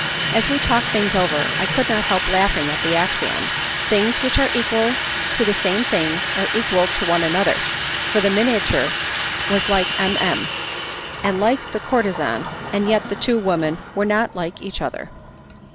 As we talked things over, I could not help laughing at the axiom, Things which are equal to the same thing are equal to one another, for the miniature was like M. M. and like the courtezan, and yet the two women were not like each other.